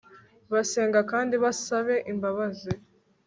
basenge kandi basabe imbabazi